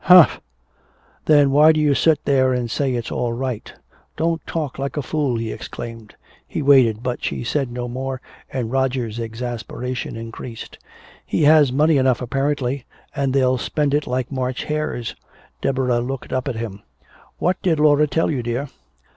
Humph! Then why do you sit here and say it's all right? Don't talk like a fool!" he exclaimed. He waited, but she said no more, and Roger's exasperation increased. "He has money enough apparently and they'll spend it like March hares!" Deborah looked up at him: "What did Laura tell you, dear?"